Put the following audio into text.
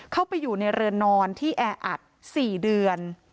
เข้าไปอยู่ในเรือนนอนที่แออัด๔เดือน